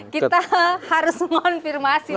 kita harus mengonfirmasi